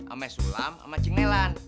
sama sulam sama cengelan